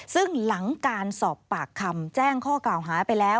ซึ่งหลังการสอบปากคำแจ้งข้อกล่าวหาไปแล้ว